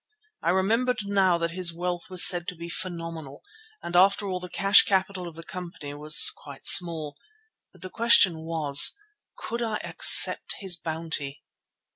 I remembered now that his wealth was said to be phenomenal and after all the cash capital of the company was quite small. But the question was—could I accept his bounty?